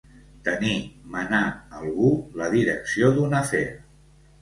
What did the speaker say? Tenir, menar, algú, la direcció d'un afer.